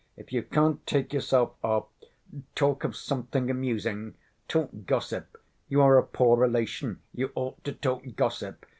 If you can't take yourself off, talk of something amusing. Talk gossip, you are a poor relation, you ought to talk gossip.